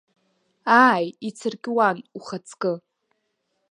Ааи, ицыркьуан, ухаҵкы.